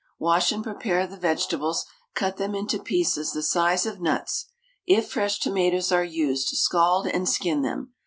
Wash and prepare the vegetables, cut them into pieces the size of nuts; if fresh tomatoes are used, scald and skin them.